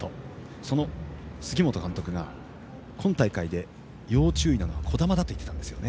その杉本監督が今大会で要注意なのは児玉だと言っていたんですね。